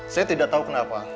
saya tidak tau kenapa